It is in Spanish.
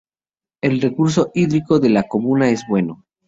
El recurso hídrico de la comuna es bueno.